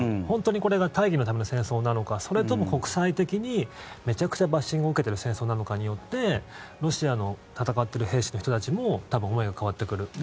本当にこれが大義のための戦争なのかそれとも国際的にめちゃくちゃバッシングを受けている戦争なのかによってロシアの戦っている兵士の人たちも多分思いが変わってくる。